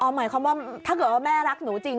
หมายความว่าถ้าเกิดว่าแม่รักหนูจริง